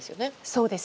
そうです。